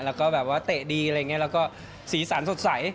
แล้วก็แบบว่าเตะดีอะไรอย่างนี้แล้วก็สีสันสดใส